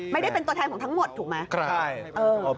ไม่ได้เป็นตัวแทนของทั้งหมดถูกไหม